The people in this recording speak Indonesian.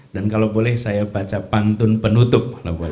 dan kalau boleh saya baca pantun penutup